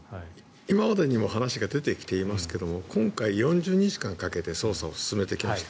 今までにも話が出てきていますが今回、４０日間かけて捜査を進めてきました。